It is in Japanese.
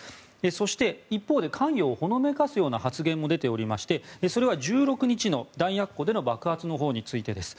そして、一方で関与をほのめかすような発言も出ておりましてそれは１６日の弾薬庫での爆発のほうについてです。